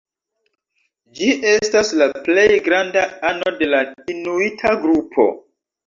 Ĝi estas la plej granda ano de la inuita grupo.